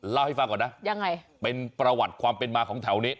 เล่าให้ฟังก่อนนะยังไงเป็นประวัติความเป็นมาของแถวนี้